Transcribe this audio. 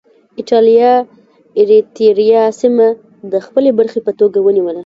اېټالیا اریتیریا سیمه د خپلې برخې په توګه ونیوله.